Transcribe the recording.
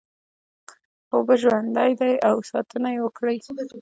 اوبه ژوند دی او ساتنه یې وکړی